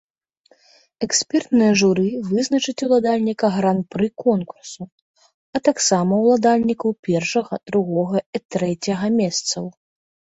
Экспертнае журы вызначыць уладальніка гран-пры конкурсу, а таксама уладальнікаў першага, другога і трэцяга месцаў.